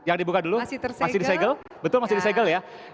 jangan dibuka dulu masih disegel betul masih disegel ya